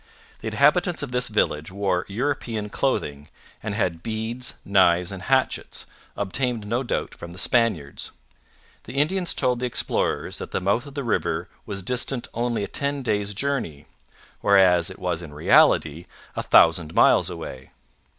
The inhabitants of this village wore European clothing and had beads, knives, and hatchets, obtained no doubt from the Spaniards. The Indians told the explorers that the mouth of the river was distant only a ten days' journey, whereas it was in reality a thousand miles away.